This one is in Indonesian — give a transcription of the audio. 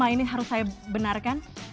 ini harus saya benarkan